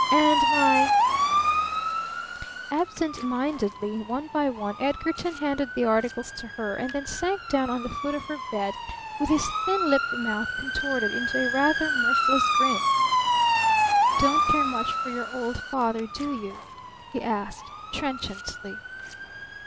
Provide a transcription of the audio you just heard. And my " Absent mindedly, one by one, Edgarton handed the articles to her, and then sank down on the foot of her bed with his thin lipped mouth contorted into a rather mirthless grin. "Don't care much for your old father, do you?" he asked trenchantly.